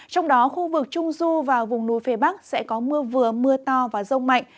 trong đó khu vực trung du và vùng núi phía bắc sẽ có mưa vừa mưa to và rông mạnh